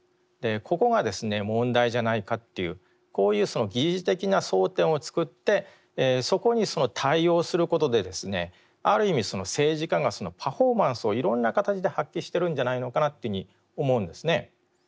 ここがですね問題じゃないかっていうこういう疑似的な争点を作ってそこに対応することでですねある意味政治家がパフォーマンスをいろんな形で発揮してるんじゃないのかなというふうに思うんですね。